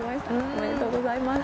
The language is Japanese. おめでとうございます。